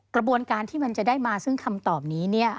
กระบวนการที่มันจะได้มาซึ่งคำตอบนี้เนี่ย